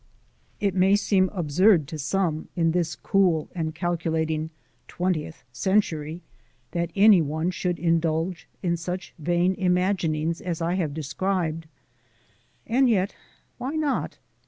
It may seem absurd to some in this cool and calculating twentieth century that any one should indulge in such vain imaginings as I have described and yet, why not?